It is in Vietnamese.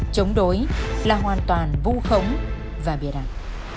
chống đối là hoàn toàn vu khống và bia đẳng